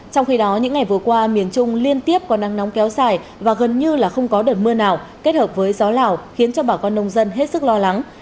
trong khi đó những ngày vừa qua miền trung liên tiếp có nắng nóng kéo dài và gần như là không có đợt mưa nào kết hợp với gió lào khiến cho bà con nông dân hết sức lo lắng